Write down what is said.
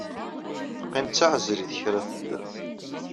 Teqqim d taɛeẓrit kra tedder.